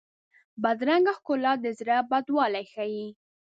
بدرنګه ښکلا د زړه بدوالی ښيي